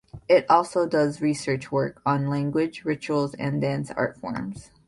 It also does research work on language, rituals, and dance art forms.